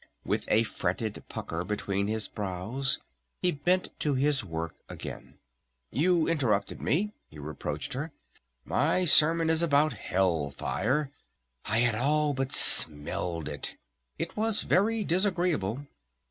With a fretted pucker between his brows he bent to his work again. "You interrupted me," he reproached her. "My sermon is about Hell Fire. I had all but smelled it. It was very disagreeable."